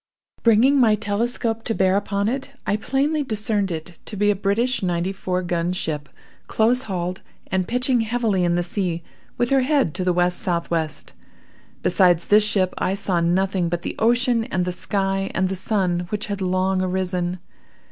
Bringing my telescope to bear upon it, I plainly discerned it to be a British ninety four gun ship, close hauled, and pitching heavily in the sea with her head to the W.S.W. Besides this ship, I saw nothing but the ocean and the sky, and the sun, which had long arisen.